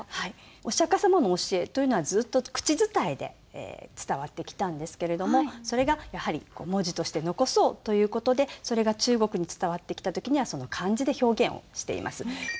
お釈様の教えというのはずっと口伝えで伝わってきたんですけれどもそれがやはり文字として残そうという事でそれが中国に伝わってきた時には漢字で表現をしています。